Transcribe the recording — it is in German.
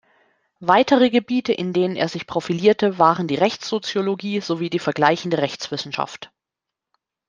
Weitere Gebiete, in denen er sich profilierte, waren die Rechtssoziologie sowie die vergleichende Rechtswissenschaft.